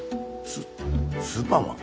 ススーパーマン？